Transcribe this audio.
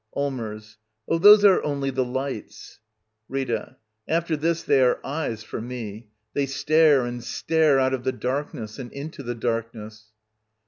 Allmers. Oh, those are only the li^ts. Rita. After this they are eyes — for me. They stare and stare out of the darkness — and into the darkness.